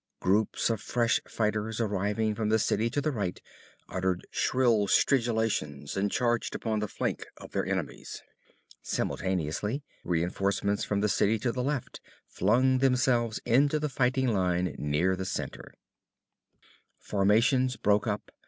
Groups of fresh fighters arriving from the city to the right uttered shrill stridulations and charged upon the flank of their enemies. Simultaneously, reinforcements from the city to the left flung themselves into the fighting line near the center. Formations broke up.